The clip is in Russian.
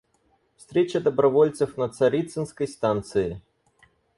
Встреча добровольцев на Царицынской станции.